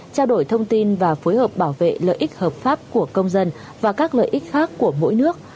trao đổi thông tin và phối hợp bảo vệ lợi ích hợp pháp của công dân và các lợi ích khác của mỗi nước